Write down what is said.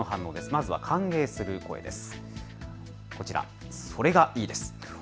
まずは歓迎する声です。